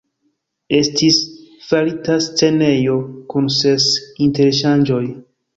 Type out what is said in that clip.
Estis farita scenejo kun ses interŝanĝoj.